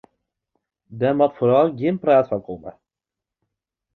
Der moat foaral gjin praat fan komme.